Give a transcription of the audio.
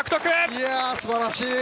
いや、素晴らしい。